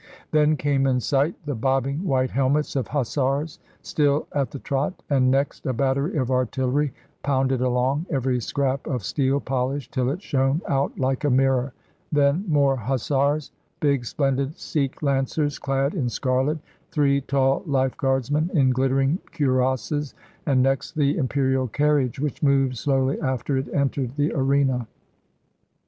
Then came in sight the bobbing white helmets of Hussars, still at the trot, and next a battery of Artillery pounded along, every scrap of steel polished till it shone out like a mirror, then more Hussars, big, splendid Sikh Lancers clad in scarlet, three tall Lifeguardsmen in gUttering cuirasses, and next the Imperial carriage, which moved slowly after it entered the arena.